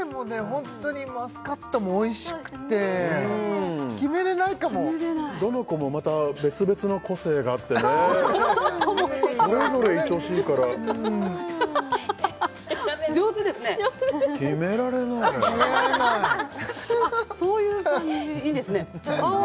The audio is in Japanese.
ホントにマスカットもおいしくて決めれないかも決めれないどの子もまた別々の個性があってねそれぞれ愛しいから上手ですね決められないよあっそういう感じいいですねああ